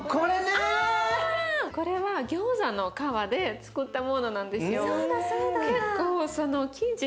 これはギョーザの皮でつくったものなんですよ。